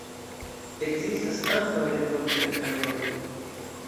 Ekzistas ankaŭ revolverkanonoj.